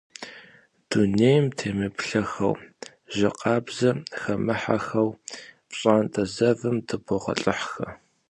Дунейм темыплъэхэу, жьы къабзэ хэмыхьэххэу пщӀантӀэ зэвым дыбогъэлӀыххэр.